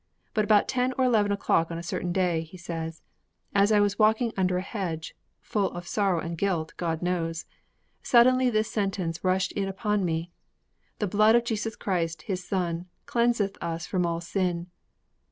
'But about ten or eleven o'clock on a certain day,' he says, 'as I was walking under a hedge (full of sorrow and guilt, God knows), suddenly this sentence rushed in upon me, "_The blood of Jesus Christ, His Son, cleanseth us from all sin.